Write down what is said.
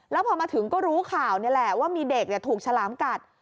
แล้วพอมาถึงก็รู้ข่าวนี่แหละว่ามีเด็กถูกฉลามกัด